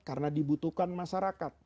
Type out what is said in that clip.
karena dibutuhkan masyarakat